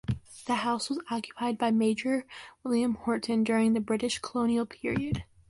The house was occupied by Major William Horton during the British colonial period.